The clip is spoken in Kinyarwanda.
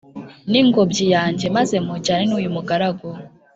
ningobyi yanjye maze mujyane nuyumugaragu